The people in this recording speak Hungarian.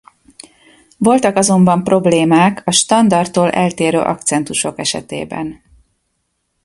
Voltak azonban problémák a standardtól eltérő akcentusok esetében.